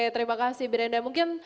terima kasih brenda mungkin